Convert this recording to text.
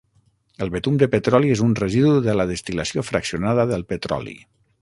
El betum de petroli és un residu de la destil·lació fraccionada del petroli.